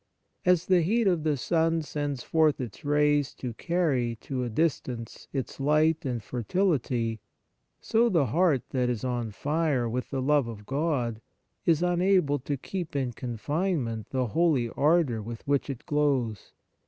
As the heat of the sun sends forth its rays to carry to a dis tance its light and fertility, so the heart that is on fire with the love of God is unable, to keep, in confinement the holy ardour with which it glows.